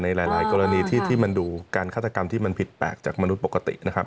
หลายกรณีที่มันดูการฆาตกรรมที่มันผิดแปลกจากมนุษย์ปกตินะครับ